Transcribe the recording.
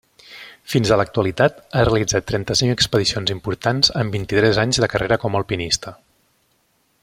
Fins a l'actualitat, ha realitzat trenta-cinc expedicions importants en vint-i-tres anys de carrera com alpinista.